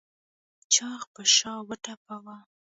چاغ په شا وټپوه.